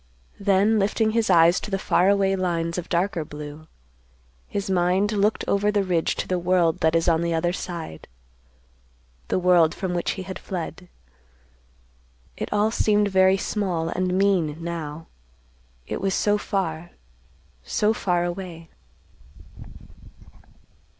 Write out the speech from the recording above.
Then lifting his eyes to the far away lines of darker blue, his mind looked over the ridge to the world that is on the other side, the world from which he had fled. It all seemed very small and mean, now; it was so far—so far away.